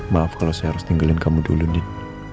maaf kalau saya harus tinggalin kamu dulu nih